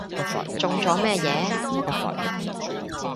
中咗乜嘢？